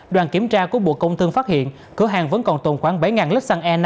đoàn kiểm tra của bộ công thương phát hiện cửa hàng vẫn còn tồn khoảng bảy lít xăng e năm